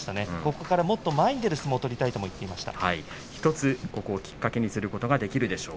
ここからもっと前に出る相撲を取りたいと言っていました。